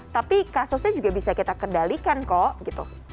tapi kasusnya juga bisa kita kendalikan kok gitu